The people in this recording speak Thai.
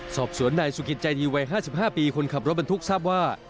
สอบสวนในสุขิตใจที่วัย๕๕ปีคนขับรถบรรทุกทรัพย์ว่า